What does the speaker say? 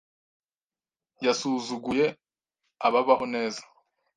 Yasuzuguye ababaho neza.